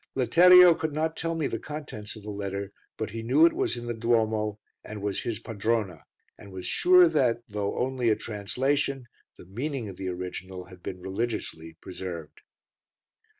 Letterio could not tell me the contents of the letter, but he knew it was in the Duomo and was his padrona, and was sure that, though only a translation, the meaning of the original had been religiously preserved.